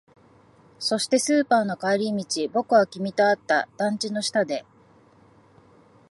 そして、スーパーの帰り道、僕は君と会った。団地の下で。